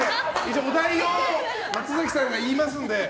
お題を松崎さんが言いますので。